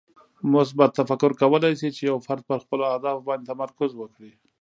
مثبت تفکر کولی شي چې یو فرد پر خپلو اهدافو باندې تمرکز وکړي.